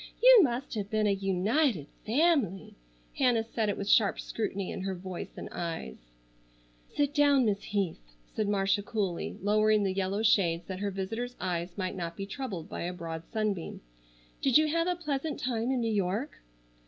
You must have been a united family." Hannah said it with sharp scrutiny in voice and eyes. "Sit down, Miss Heath," said Marcia coolly, lowering the yellow shades that her visitor's eyes might not be troubled by a broad sunbeam. "Did you have a pleasant time in New York?"